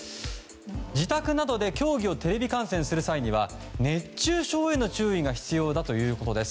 自宅などで競技をテレビ観戦する際には熱中症に注意が必要だということです。